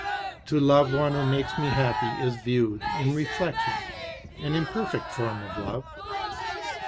"To love one who makes me happy, is, viewed in reflection, an imperfect form of love.